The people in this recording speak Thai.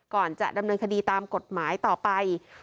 ก่อนจะดำเนินคดีตามกฎหมายต่อไป